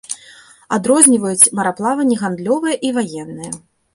Адрозніваюць мараплаванне гандлёвае і ваеннае.